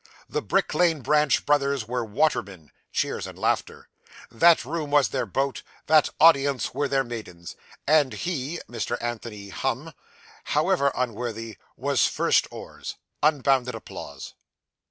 The Brick Lane Branch brothers were watermen (cheers and laughter). That room was their boat; that audience were the maidens; and he (Mr. Anthony Humm), however unworthily, was 'first oars' (unbounded applause).